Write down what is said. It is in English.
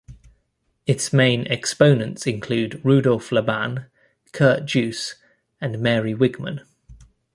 Its main exponents include Rudolf Laban, Kurt Jooss, and Mary Wigman.